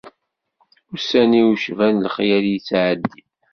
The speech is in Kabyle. Ussan-iw cban lexyal yettɛeddin.